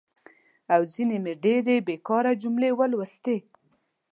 او ځینې مې ډېرې بېکاره جملې ولوستي.